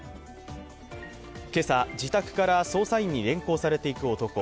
今朝、自宅から捜査員に連行されていく男。